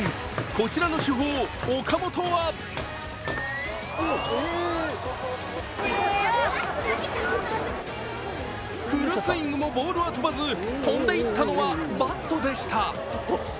こちらの主砲・岡本はフルスイングも、ボールは飛ばず飛んでいったのはバットでした。